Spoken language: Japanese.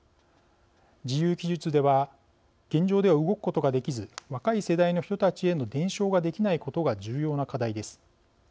自由記述では「現状では動くことができず若い世代の人たちへの伝承ができないことが重要な課題です」